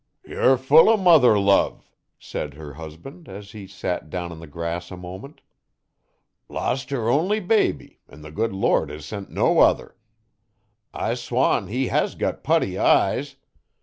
'Yer full o' mother love,' said her husband, as he sat down on the grass a moment 'Lost her only baby, an' the good Lord has sent no other. I swan, he has got putty eyes.